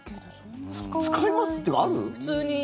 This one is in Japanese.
使います？というかある？